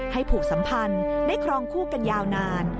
ผูกสัมพันธ์ได้ครองคู่กันยาวนาน